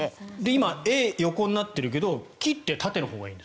今、絵は横になってるけど切って縦のほうがいい。